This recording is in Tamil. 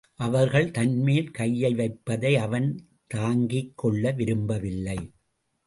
அவர்கள் தன்மேல் கையை வைப்பதை அவன் தாங்கிக் கொள்ள விரும்பவில்லை.